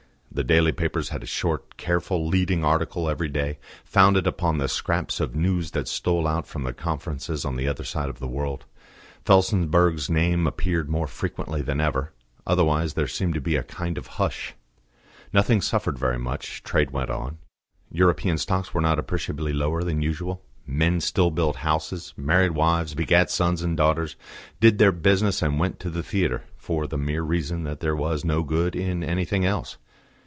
The daily papers had a short, careful leading article every day, founded upon the scraps of news that stole out from the conferences on the other side of the world; Felsenburgh's name appeared more frequently than ever: otherwise there seemed to be a kind of hush. Nothing suffered very much; trade went on; European stocks were not appreciably lower than usual; men still built houses, married wives, begat sons and daughters, did their business and went to the theatre, for the mere reason that there was no good in anything else.